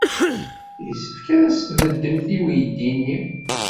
Yessefk ad as-tbeddemt i weydi-nni.